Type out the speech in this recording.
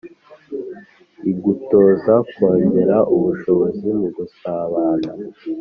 igutoza kongera ubushobozi mu gusabana